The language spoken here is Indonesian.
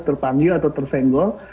terpanggil atau tersenggol